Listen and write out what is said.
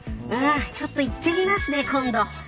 ちょっと行ってみますね今度。